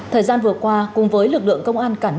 thời gian vừa qua cùng với lực lượng